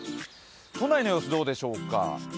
都内の様子、どうでしょうか。